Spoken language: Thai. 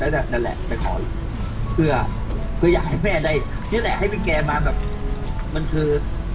แล้วแหละไปขอคือคืออยากให้แม่ได้นี่แหละให้พี่แกมาแบบมันคือ